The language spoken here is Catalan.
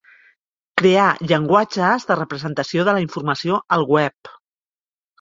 Crear llenguatges de representació de la informació al web.